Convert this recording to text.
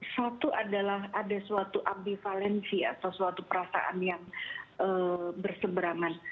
satu adalah ada suatu abivalensi atau suatu perasaan yang berseberangan